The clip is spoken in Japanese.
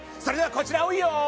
それではこちらを要。